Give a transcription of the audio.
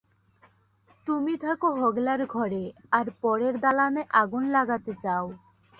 তুমি থাক হোগলার ঘরে, আর পরের দালানে আগুন লাগাতে চাও।